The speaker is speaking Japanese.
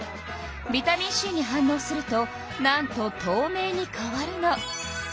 ビタミンＣに反のうするとなんととうめいに変わるの。